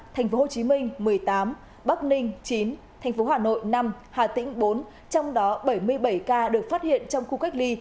tp hcm một mươi tám bắc ninh chín tp hn năm hà tĩnh bốn trong đó bảy mươi bảy ca được phát hiện trong khu cách ly